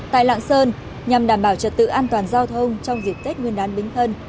tại lạng sơn nhằm đảm bảo trật tự an toàn giao thông trong dịp tết nguyên án bính thân